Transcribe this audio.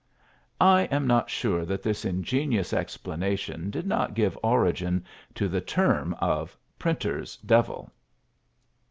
I am not sure that this ingenious explanation did not give origin to the term of "printer's devil."